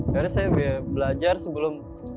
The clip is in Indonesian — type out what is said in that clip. karena saya belajar sebelum